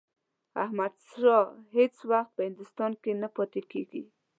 احمدشاه هیڅ وخت په هندوستان کې نه پاتېږي.